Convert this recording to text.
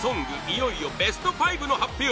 いよいよベスト５の発表！